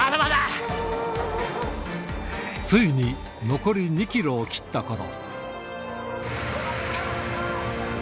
ついに残り２キロを切ったころ。